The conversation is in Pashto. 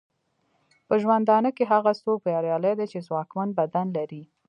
په ژوندانه کې هغه څوک بریالی دی چې ځواکمن بدن لري.